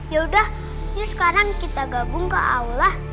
yaudah yuk sekarang kita gabung ke aula